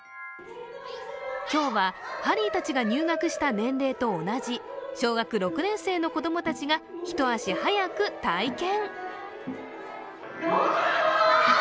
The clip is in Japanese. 今日は、ハリーたちが入学した年齢と同じ小学６年生の子供たちが一足早く体験。